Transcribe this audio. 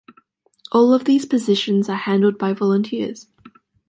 All of these positions are handled by volunteers.